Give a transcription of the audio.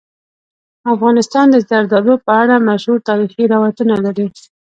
افغانستان د زردالو په اړه مشهور تاریخی روایتونه لري.